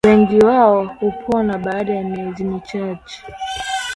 wengi wao hupona baada ya miezi michache